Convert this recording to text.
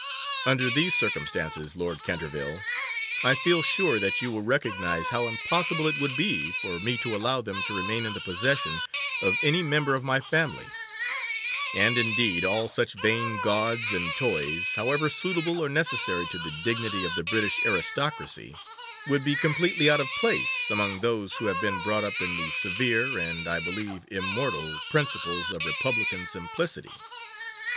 Under these circumstances, Lord Canterville, I feel sure that you will recognise how impossible it would be for me to allow them to remain in the possession of any member of my family; and, indeed, all such vain gauds and toys, however suitable or necessary to the dignity of the British aristocracy, would be completely out of place among those who have been brought up on the severe, and I believe immortal, principles of republican simplicity.